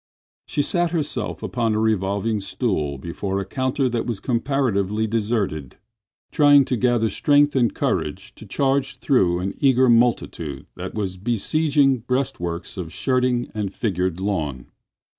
She sat herself upon a revolving stool before a counter that was comparatively deserted, trying to gather strength and courage to charge through an eager multitude that was besieging breastworks of shirting and figured lawn.